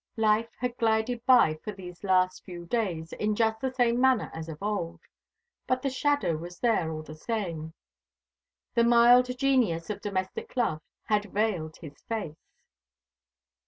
Life had glided by for these last few days in just the same manner as of old; but the shadow was there all the same. The mild genius of domestic love had veiled his face.